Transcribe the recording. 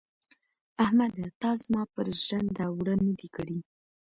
احمده تا زما پر ژرنده اوړه نه دې کړي.